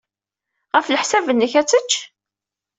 Ɣef leḥsab-nnek, ad tečč?